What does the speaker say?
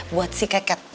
buat si keket